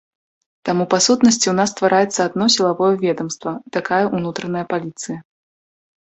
Таму па сутнасці ў нас ствараецца адно сілавое ведамства, такая ўнутраная паліцыя.